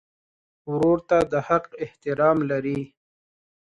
ورور ته د حق احترام لرې.